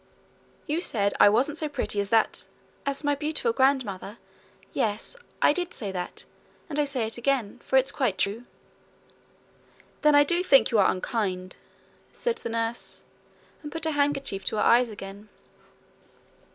'You said I wasn't so pretty as that ' 'As my beautiful grandmother yes, I did say that; and I say it again, for it's quite true.' 'Then I do think you are unkind!' said the nurse, and put her handkerchief to her eyes again.